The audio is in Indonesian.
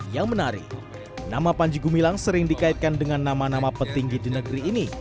yang menarik nama panji gumilang sering dikaitkan dengan nama nama petinggi di negeri ini